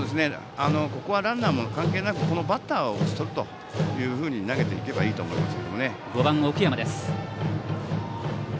ここはランナーも関係なくこのバッターを打ち取るというふうに投げていけばいいと思います。